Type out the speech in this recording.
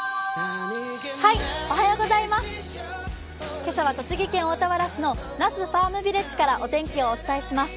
今朝は栃木県大田原市の那須ファームヴィレッジからお天気をお伝えします。